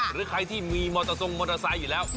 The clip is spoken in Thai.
หรือใครที่มีมอเตอร์ทรงมอเตอร์ไซค์อยู่แล้ว